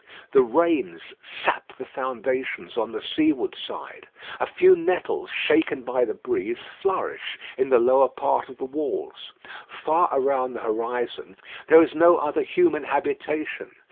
The rains sap the foundations on the seaward side. A few nettles, shaken by the breeze, flourish in the lower part of the walls. Far around the horizon there is no other human habitation.